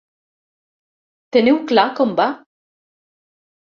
Teniu clar com va?